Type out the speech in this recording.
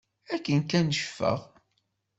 Akken kan ccfeɣ.